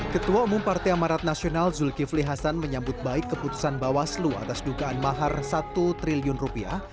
ketua umum partai amarat nasional zulkifli hasan menyambut baik keputusan bawaslu atas dugaan mahar satu triliun rupiah